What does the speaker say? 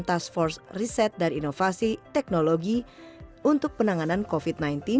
task force reset dan inovasi teknologi untuk penanganan covid sembilan belas